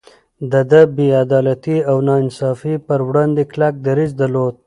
ده د بې عدالتۍ او ناانصافي پر وړاندې کلک دريځ درلود.